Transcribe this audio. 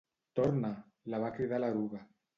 "Torna!", la va cridar l'Eruga.